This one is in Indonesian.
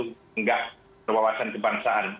orang orang itu nggak terwawasan kebangsaan